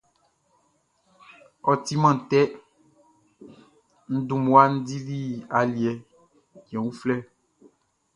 Ɔ timan tɛ, n dun mmua dili aliɛ cɛn uflɛ.